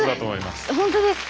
本当ですか？